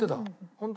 本当？